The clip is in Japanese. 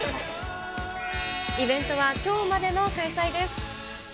イベントはきょうまでの開催です。